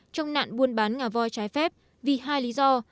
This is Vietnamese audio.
trong nạn buôn bán ngả vòi trái phép vì hai lý do